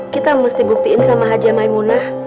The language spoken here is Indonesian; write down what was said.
kita mesti buktiin sama haji maimunah